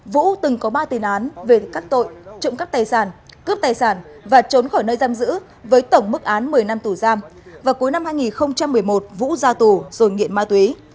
vũ từng có ba tiền án về các tội trộm cắp tài sản cướp tài sản và trốn khỏi nơi giam giữ với tổng mức án một mươi năm tù giam và cuối năm hai nghìn một mươi một vũ ra tù rồi nghiện ma túy